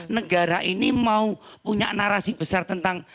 negara ini mau punya narasi besar tentang